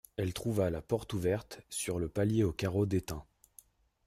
Elle trouva la porte ouverte, sur le palier aux carreaux déteints.